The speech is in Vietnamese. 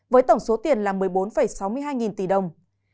với tổng số tiền là một mươi bốn sáu mươi hai nghìn tỷ đồng